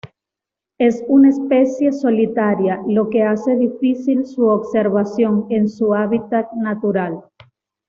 Es una especie solitaria, lo que hace difícil su observación en su hábitat natural.